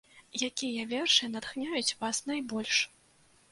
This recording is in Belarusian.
Якія вершы натхняюць вас найбольш?